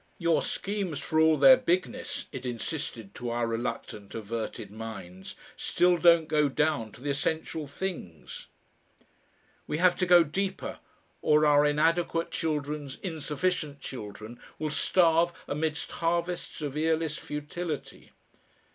"Your schemes, for all their bigness," it insisted to our reluctant, averted minds, "still don't go down to the essential things...." We have to go deeper, or our inadequate children's insufficient children will starve amidst harvests of earless futility.